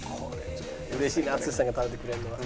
嬉しいな淳さんが食べてくれるのは。